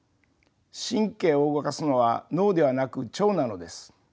神経を動かすのは脳ではなく腸なのです。